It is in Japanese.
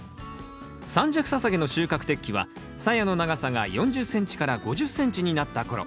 三尺ササゲの収穫適期はさやの長さが４０ｃｍから５０ｃｍになった頃。